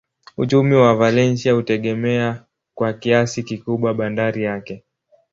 Uchumi wa Valencia hutegemea kwa kiasi kikubwa bandari yake.